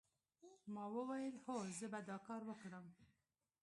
ما وویل هو زه به دا کار وکړم